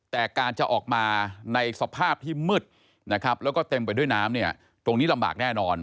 แต่การจะออกมาในสภาพที่มืดนะครับแล้วก็เต็มไปด้วยน้ำเนี่ยตรงนี้ลำบากแน่นอน